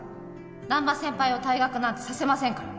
「難破先輩を退学なんてさせませんから」